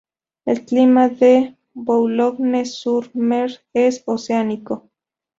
El clima de Boulogne-sur-Mer es oceánico.